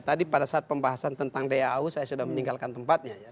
tadi pada saat pembahasan tentang dau saya sudah meninggalkan tempatnya ya